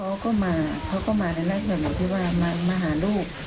เค้าก็มาเค้าก็มาในแรกแบบไหนพี่ว่ามาหาลูก